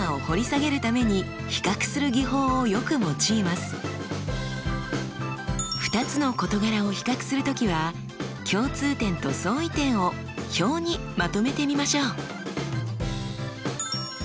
随想や評論の筆者は２つの事柄を比較する時は共通点と相違点を表にまとめてみましょう。